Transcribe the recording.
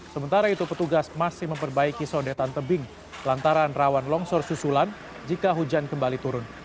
sementara itu petugas masih memperbaiki sodetan tebing lantaran rawan longsor susulan jika hujan kembali turun